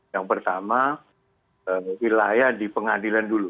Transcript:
yang pertama wilayah di pengadilan dulu